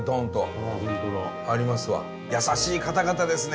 優しい方々ですね。